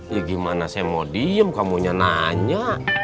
ya gimana saya mau diem kamunya nanya